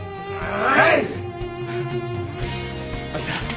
はい。